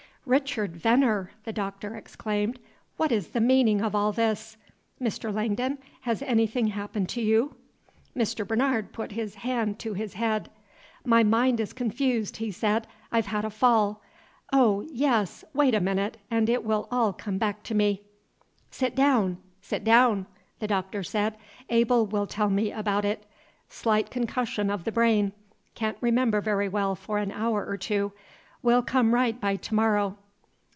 "Richard Veneer!" the Doctor exclaimed. "What is the meaning of all this? Mr. Langdon, has anything happened to you?" Mr. Bernard put his hand to his head. "My mind is confused," he said. "I've had a fall. Oh, yes! wait a minute and it will all come back to me." "Sit down, sit down," the Doctor said. "Abel will tell me about it. Slight concussion of the brain. Can't remember very well for an hour or two, will come right by to morrow."